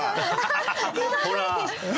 ほら。